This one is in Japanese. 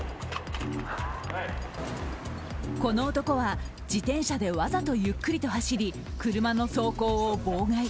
この男は自転車でわざとゆっくりと走り車の走行を妨害。